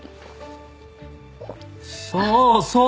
そうそう！